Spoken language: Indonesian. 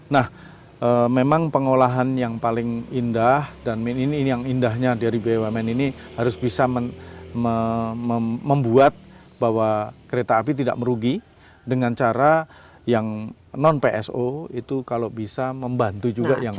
nah memang pengolahan yang paling indah dan ini yang indahnya dari bumn ini harus bisa membuat bahwa kereta api tidak merugi dengan cara yang non pso itu kalau bisa membantu juga yang lain